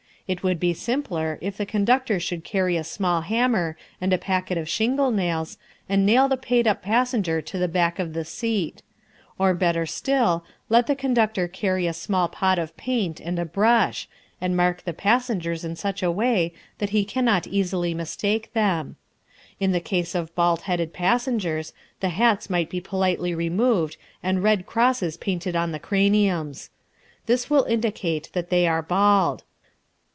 It would be simpler if the conductor should carry a small hammer and a packet of shingle nails and nail the paid up passenger to the back of the seat. Or better still, let the conductor carry a small pot of paint and a brush, and mark the passengers in such a way that he cannot easily mistake them. In the case of bald headed passengers, the hats might be politely removed and red crosses painted on the craniums. This will indicate that they are bald.